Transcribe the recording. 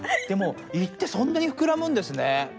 でも胃ってそんなにふくらむんですね。